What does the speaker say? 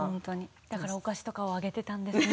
だからお菓子とかあげていたんですね。